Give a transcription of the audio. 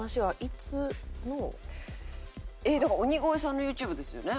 だから鬼越さんのＹｏｕＴｕｂｅですよね？